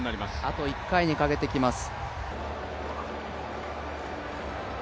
あと１回にかけてきます。